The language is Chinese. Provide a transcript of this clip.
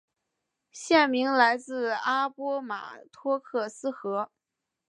县名来自阿波马托克斯河。